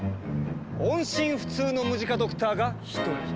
音信不通のムジカドクターが１人。